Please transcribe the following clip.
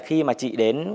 khi mà chị đến